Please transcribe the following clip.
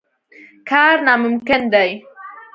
کار ناممکن دی.